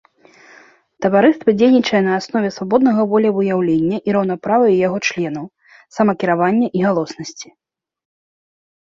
Таварыства дзейнічае на аснове свабоднага волевыяўлення і раўнапраўя яго членаў, самакіравання і галоснасці.